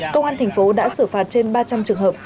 công an thành phố đã xử phạt trên ba trăm linh trường hợp